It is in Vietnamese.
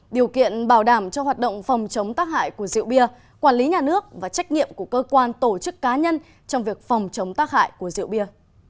điều kiện bảo đảm cho hoạt động phòng chống tác hại của rượu bia quản lý nhà nước và trách nhiệm của cơ quan tổ chức cá nhân trong việc phòng chống tác hại của rượu bia